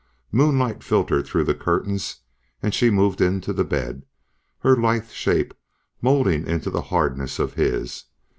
Moonlight filtered through the curtains and she moved into the bed, her lithe shape molding into the hardness of his.